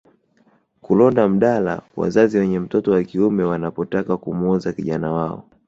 Kulonda mdala wazazi wenye mtoto wa kiume wanapotaka kumwoza kijana wao